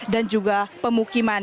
dan juga pemukiman